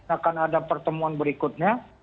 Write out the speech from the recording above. akan ada pertemuan berikutnya